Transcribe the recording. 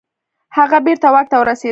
هغه بیرته واک ته ورسیده.